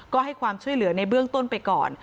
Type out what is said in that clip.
ก็ให้ความช่วยเหลือในเบื้องต้นไปก่อน